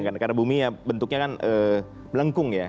karena bumi ya bentuknya kan melengkung ya